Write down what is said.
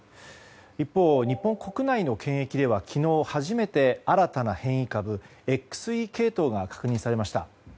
一方、日本国内の検疫では昨日初めて新たな変異株ＸＥ系統が確認されました。